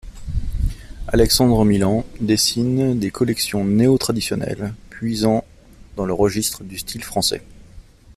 Alexandre Milan dessine des collections néo-traditionnelles, puisant dans le registre du style français.